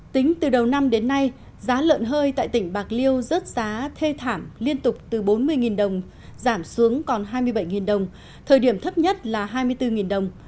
tính từ đầu năm đến nay giá lợn hơi tại tỉnh bạc liêu rớt giá thê thảm liên tục từ bốn mươi đồng giảm xuống còn hai mươi bảy đồng thời điểm thấp nhất là hai mươi bốn đồng